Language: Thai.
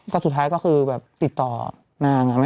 ก็สุดท้ายก็คือแบบติดต่อนาง